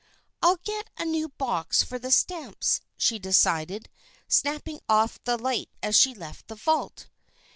"I'll get a new box for the stamps," she decided, snapping off the light as she left the vault.